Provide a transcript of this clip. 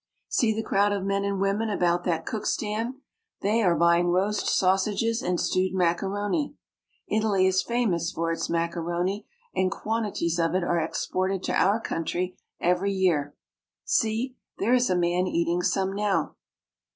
See the crowd of men and women about that cook NAPLES AND MOUNT VESUVIUS. 419 stand ! They are buying roast sausages and stewed maca roni. Italy is famous for its macaroni, and quantities of it are exported to our country every year. See, there is a man eating some now